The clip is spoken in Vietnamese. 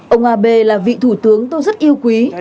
ông abe là vị thủ tướng tôi rất yêu quý